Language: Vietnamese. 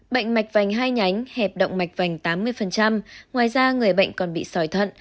bệnh mạch vành hai nhánh hẹp động mạch vành tám mươi ngoài ra người bệnh còn bị sỏi thận